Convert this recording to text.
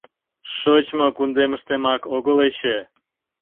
Шочмо кундемыштемак огыл эше?